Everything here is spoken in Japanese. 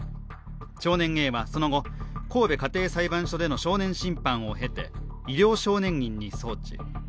少年Ａはその後、神戸家庭裁判所での少年審判を経て、医療少年院に送致